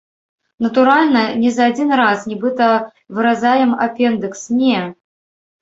Натуральна, не за адзін раз, нібыта выразаем апендыкс, не!